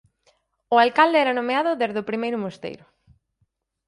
O alcalde era nomeado desde o propio mosteiro.